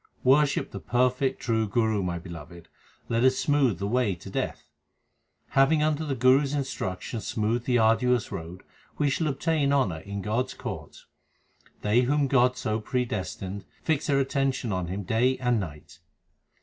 Worship the perfect true Guru, my beloved ; let us smooth the way to death. Having under the Guru s instruction smoothed the arduous road, we shall obtain honour in God s court. They whom God so predestined fix their attention on Him day and night.